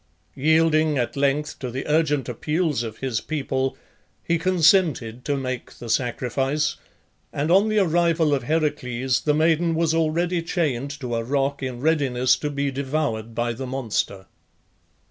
Yielding at length to the urgent appeals of his people he consented to make the sacrifice, and on the arrival of Heracles the maiden was already chained to a rock in readiness to be devoured by the monster.